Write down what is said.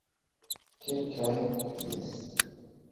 Kelkajn, jes